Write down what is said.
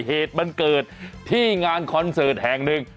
เหตุมันเกิดที่งานคอนเสิร์ตแห่งหนึ่ง